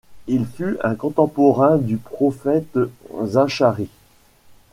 Il fut un contemporain du prophète Zacharie.